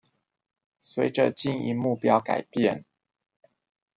隨著經營目標改變